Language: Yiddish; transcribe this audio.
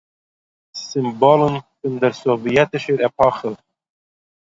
סימבאָלן פון דער סאָוויעטישער עפּאָכע